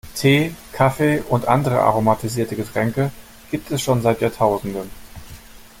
Tee, Kaffee und andere aromatisierte Getränke gibt es schon seit Jahrtausenden.